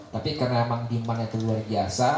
tapi karena memang dimana itu luar biasa